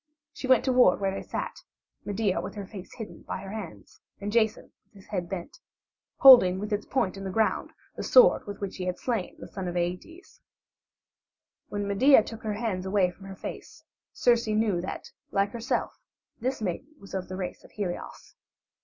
She went toward where they sat, Medea with her face hidden by her hands, and Jason, with his head bent, holding with its point in the ground the sword with which he had slain the son of Æetes When Medea took her hands away from before her face, Circe knew that, like herself, this maiden was of the race of Helios.